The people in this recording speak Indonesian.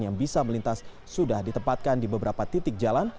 yang bisa melintas sudah ditempatkan di beberapa titik jalan